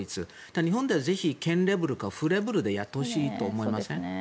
日本では、ぜひ県レベルや府レベルでやってほしいと思います。